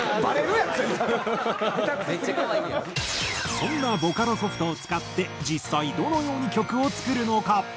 そんなボカロソフトを使って実際どのように曲を作るのか？